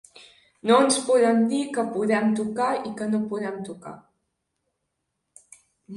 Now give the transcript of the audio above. No ens poden dir què podem tocar i què no podem tocar.